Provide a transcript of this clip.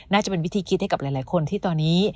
น่าจะเป็นวิธีคิดให้กับหลายคนที่ตอนนี้